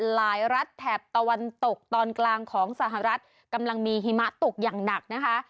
รัฐแถบตะวันตกตอนกลางของสหรัฐกำลังมีหิมะตกอย่างหนักนะคะ